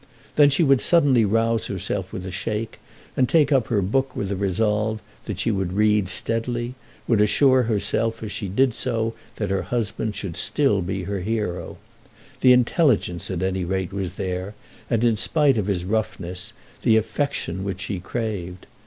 Then she would suddenly rouse herself with a shake, and take up her book with a resolve that she would read steadily, would assure herself as she did so that her husband should still be her hero. The intelligence at any rate was there, and, in spite of his roughness, the affection which she craved.